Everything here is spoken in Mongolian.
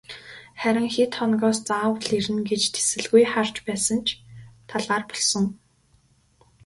Харин хэд хоногоос заавал ирнэ гэж тэсэлгүй харж байсан ч талаар болсон.